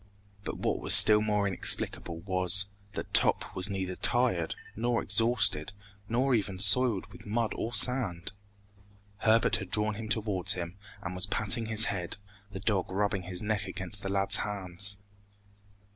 But what was still more inexplicable was, that Top was neither tired, nor exhausted, nor even soiled with mud or sand! Herbert had drawn him towards him, and was patting his head, the dog rubbing his neck against the lad's hands.